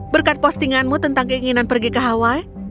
berkat postinganmu tentang keinginan pergi ke hawaii